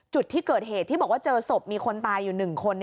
จุดที่เกิดเหตุที่บอกว่าเจอศพมีคนตายอยู่๑คน